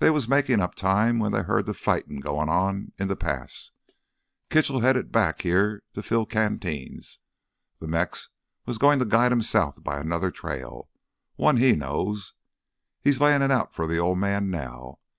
They was makin' up time when they heard th' fight goin' on in th' pass. Kitchell headed back here to fill canteens. Th' Mex was goin' to guide 'em south by another trail—one he knows. He's layin' it out for th' Old Man now.